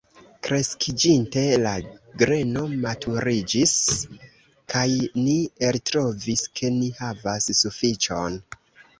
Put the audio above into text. Kreskiĝinte la greno maturiĝis, kaj ni eltrovis, ke ni havas sufiĉon.